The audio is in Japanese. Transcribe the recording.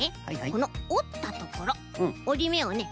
このおったところおりめをね